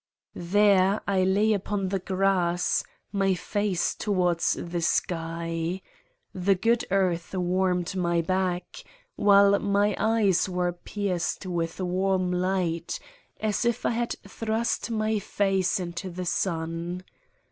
There I lay upon the grass, my face toward the sky. The good earth warmed my back, while my eyes were pierced with warm light, as if I had 202 Satan's Diary thrust my face into the sun.